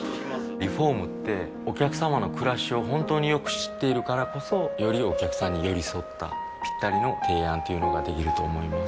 リフォームってお客様の暮らしを本当によく知っているからこそよりお客様に寄り添ったぴったりの提案というのができると思います